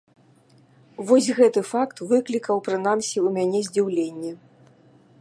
Вось гэты факт выклікаў прынамсі ў мяне здзіўленне.